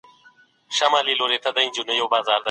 ایا نوي کروندګر کاغذي بادام پروسس کوي؟